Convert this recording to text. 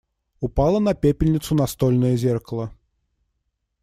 Упало на пепельницу настольное зеркало.